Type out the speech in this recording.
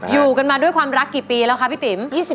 อยู่กันมาด้วยความรักกี่ปีแล้วคะพี่ติ๋ม